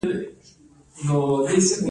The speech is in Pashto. ایا زه باید بوره وخورم؟